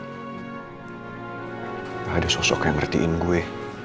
tidak ada sosok yang ngertiin gue